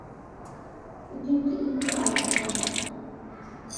এটি একটি ইন্দো-আর্য ভাষা।